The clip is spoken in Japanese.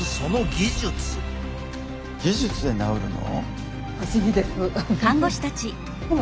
技術で治るの？